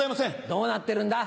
どうなってるんだ？